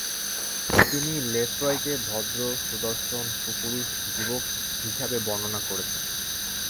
তিনি লেফ্রয়কে ভদ্র, সুদর্শন, সুপুরুষ যুবক হিসাবে বর্ণনা করেছেন।